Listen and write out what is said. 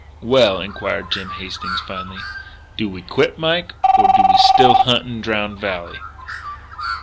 "Well," inquired Jim Hastings finally, "do we quit, Mike, or do we still hunt in Drowned Valley?"